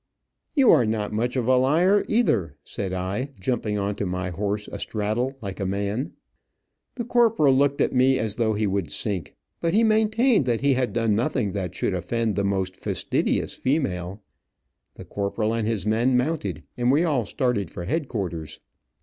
"You are not much of a liar, either," said I, jumping on to my horse astraddle, like a man. The corporal looked at me as though he would sink, but he maintained that he had done nothing that should offend the most fastidious female. The corporal and his men mounted, and we all started for headquarters.